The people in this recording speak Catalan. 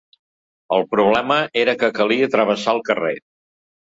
El problema era que calia travessar el carrer.